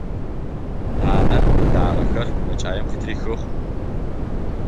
Нанэ лагъэхэр мэкӀаем къытрихыгъ.